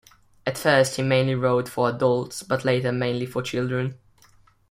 At first he mainly wrote for adults, but later mainly for children.